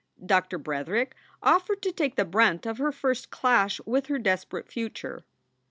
Doctor Bretherick offered to take the brunt of her first clash with her desperate future.